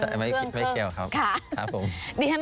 ใช่ไม่เกี่ยวครับ